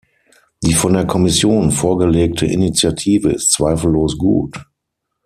Die von der Kommission vorgelegte Initiative ist zweifellos gut.